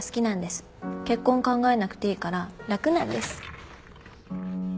結婚考えなくていいから楽なんです。